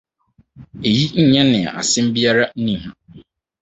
Eyi nyɛ nea asɛm biara nni ho.